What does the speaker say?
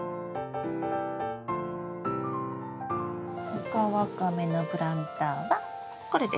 オカワカメのプランターはこれです。